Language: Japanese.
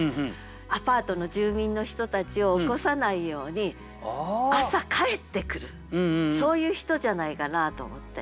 アパートの住民の人たちを起こさないように朝帰ってくるそういう人じゃないかなと思って。